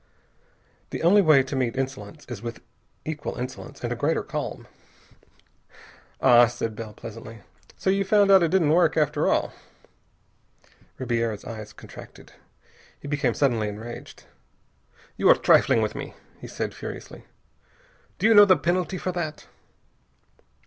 The only way to meet insolence is with equal insolence and a greater calm. "Ah!" said Bell pleasantly. "So you found out it didn't work, after all!" Ribiera's eyes contracted. He became suddenly enraged. "You are trifling with me," he said furiously. "Do you know the penalty for that?"